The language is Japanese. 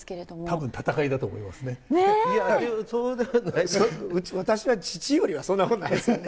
私は父よりはそんなことないですよね。